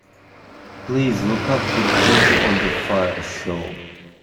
Please look up the Beauty on the Fire show.